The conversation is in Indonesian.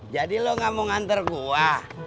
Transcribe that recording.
jadi lo gak mau nganter gua